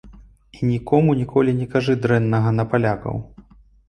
І нікому ніколі не кажы дрэннага на палякаў.